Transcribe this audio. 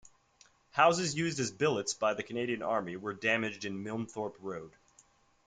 Houses used as billets by the Canadian army were damaged in Milnthorpe Road.